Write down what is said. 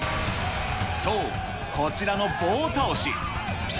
そう、こちらの棒倒し。